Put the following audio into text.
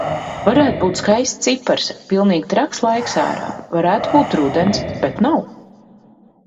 Varētu būt skaists cipars. Pilnīgi traks laiks ārā. Varētu būt rudens, bet nav.